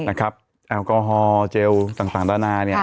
นะครับแอลกอฮอล์เจลต่างด้านหน้าเนี่ย